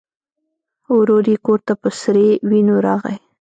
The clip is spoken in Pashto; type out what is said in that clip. ورور یې کور ته په سرې وینو راغی.